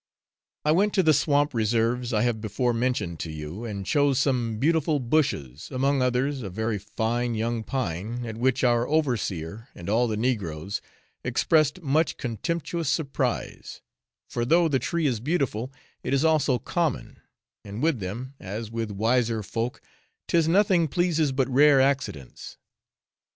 I went to the swamp reserves I have before mentioned to you, and chose some beautiful bushes among others, a very fine young pine, at which our overseer and all the negroes expressed much contemptuous surprise; for though the tree is beautiful, it is also common, and with them, as with wiser folk 'tis 'nothing pleases but rare accidents.'